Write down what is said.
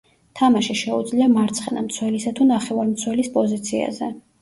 თამაში შეუძლია მარცხენა მცველისა თუ ნახევარმცველის პოზიციაზე.